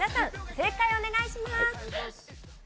正解をお願いします！